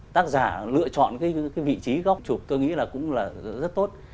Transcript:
tác giả lựa chọn cái vị trí góc chụp tôi nghĩ là cũng là rất tốt